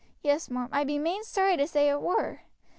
"Yes, marm, I be main sorry to say it were.